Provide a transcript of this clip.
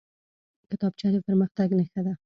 کتابچه د پرمختګ نښه ده